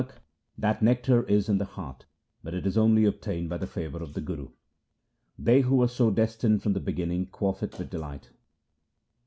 54 THE SIKH RELIGION Nanak, that nectar is in the heart, but it is only obtained by the favour of the Guru ; They who were so destined from the beginning quaff it with delight.